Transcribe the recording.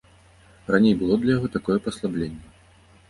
Раней было для яго такое паслабленне.